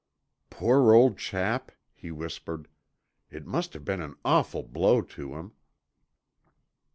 "Poor old chap," he whispered. "It must have been an awful blow to him."